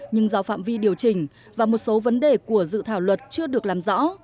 nhưng do phạm vi điều chỉnh và một số vấn đề của dự thảo luật chưa được làm rõ